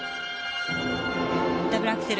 ダブルアクセル。